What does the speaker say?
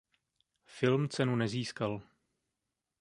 Film cenu nezískal.